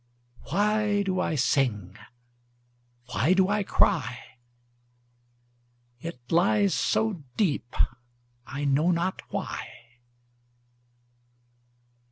Why do I sing? Why do I cry? It lies so deep, I know not why.